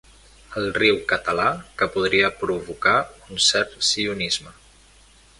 El riu català que podria provocar un cert sionisme.